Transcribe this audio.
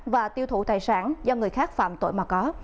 và tiêu thụ tài sản do người khác phạm tội mà có